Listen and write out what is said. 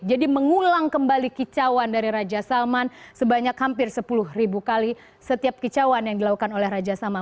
jadi mengulang kembali kecauan dari raja salman sebanyak hampir sepuluh kali setiap kecauan yang dilakukan oleh raja salman